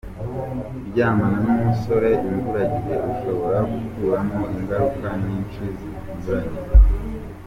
Kuryamana n’umusore imburagihe ushobora gukuramo ingaruka nyinshi zinyuranye.